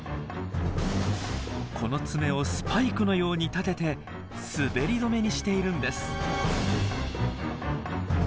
この爪をスパイクのように立てて滑り止めにしているんです。